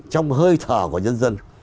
trong hơi thở của nhân dân